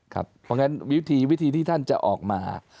เพราะฉะนั้นวิธีวิธีที่ท่านจะออกมา